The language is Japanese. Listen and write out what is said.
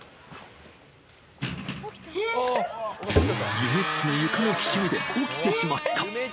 ゆめっちの床のきしみで、起きてしまった。